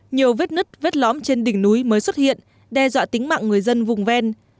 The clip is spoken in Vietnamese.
nhiều vết nứt vết lõm trên đỉnh núi mới xuất hiện đe dọa tính mạng người dân vùng ven